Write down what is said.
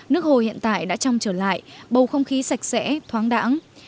nước hồ hiện tại đã trong trở lại bầu không khí sạch sẽ thoáng đẳng